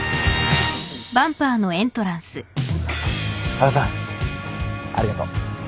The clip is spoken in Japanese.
羽賀さんありがとう。